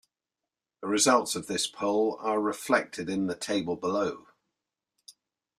The results of this poll are reflected in the table below.